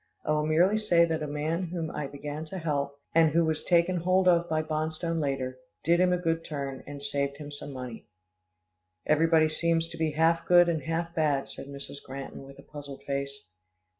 I will merely say that a man whom I began to help, and who was taken hold of by Bonstone later, did him a good turn, and saved him some money." "Everybody seems to be half good and half bad," said Mrs. Granton with a puzzled face.